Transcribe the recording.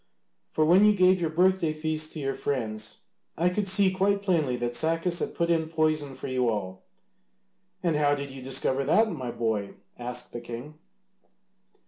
For when you gave your birthday feast to your friends I could see quite plainly that Sacas had put in poison for you all." "And how did you discover that, my boy?" asked the king.